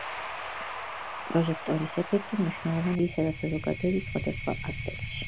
პროჟექტორის ეფექტი მნიშვნელოვან როლს თამაშობს ფსიქოლოგიისა და საზოგადოების სხვადასხვა ასპექტში.